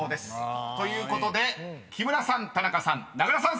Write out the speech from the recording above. ということで木村さん田中さん名倉さん